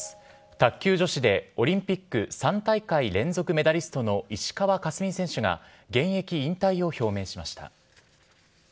卓球女子で、オリンピック３大会連続メダリストの石川佳純選手が、現役引退を表明しました。